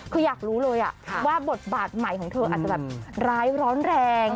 คืออยากรู้เลยว่าบทบาทใหม่ของเธออาจจะแบบร้ายร้อนแรง